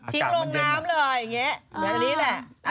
ทิ้งลงน้ำเลยอย่างนี้แหละ